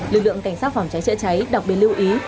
lực lượng cảnh sát phòng cháy chữa cháy đặc biệt lưu ý